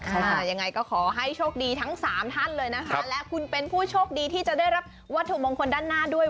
ยังไงก็ขอให้โชคดีทั้งสามท่านเลยนะคะและคุณเป็นผู้โชคดีที่จะได้รับวัตถุมงคลด้านหน้าด้วย